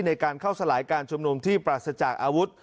ในการเข้าสลายการชุมนุมที่ปราศจากอาวุธ